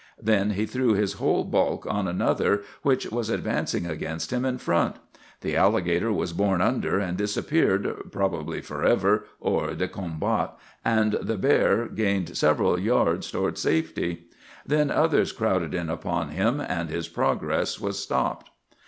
Then he threw his whole bulk on another which was advancing against him in front. The alligator was borne under and disappeared, probably forever hors de combat, and the bear gained several yards toward safety. Then others crowded in upon him, and his progress was stopped.